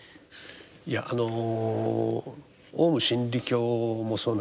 いやあのオウム真理教もそうなんですがね